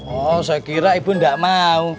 oh saya kira ibu tidak mau